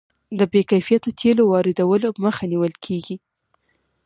د بې کیفیته تیلو واردولو مخه نیول کیږي.